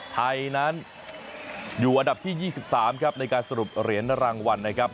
ไทยนั้นอยู่อันดับที่๒๓ครับในการสรุปเหรียญรางวัลนะครับ